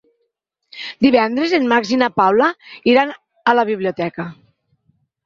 Divendres en Max i na Paula iran a la biblioteca.